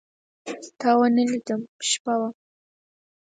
تاونه لیدمه، شپه وم